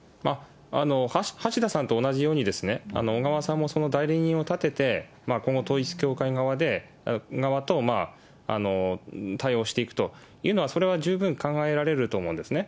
橋田さんと同じように、小川さんもその代理人を立てて、今後、統一教会側と対応していくというのは、それは十分考えられると思うんですね。